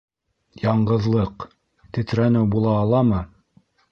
Яңғыҙлыҡ... тетрәнеү була аламы?